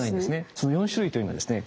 その４種類というのがですね